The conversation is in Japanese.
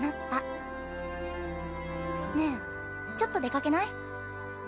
ねえちょっと出かけない？